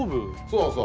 そうそう。